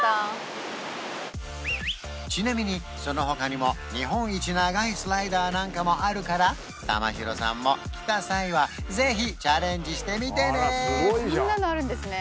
ちなみにその他にも日本一長いスライダーなんかもあるから玉城さんも来た際はぜひチャレンジしてみてねこんなのあるんですね